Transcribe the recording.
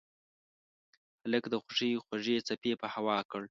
هلک د خوښۍ خوږې څپې په هوا کړ.